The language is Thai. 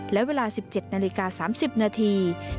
และเวลา๑๗นาฬิกา๓๐นาที